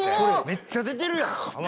めっちゃ出てるやん濱家］